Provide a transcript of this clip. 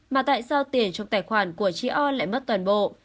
mà tại sao tiền trong tài khoản của chị oi lại mất toàn bộ